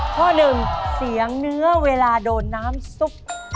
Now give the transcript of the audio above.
ข้อหนึ่งเสียงเนื้อเวลาโดนน้ำซุป